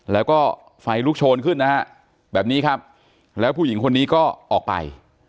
แล้วก็ไฟลุกโชนขึ้นนะฮะแบบนี้ครับแล้วผู้หญิงคนนี้ก็ออกไป